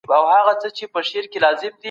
کلابندۍ د اصفهان د خلکو وضع لا پسې خراب کړه.